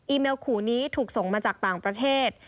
เมลขู่นี้ถูกส่งมาจากต่างประเทศ